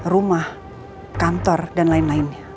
rumah kantor dan lain lainnya